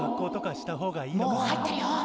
「もう入ってるよ」。